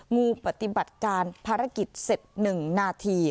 งูปฏิบัติการภารกิจเสร็จ๑นาที